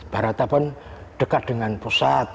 barata pun dekat dengan pusat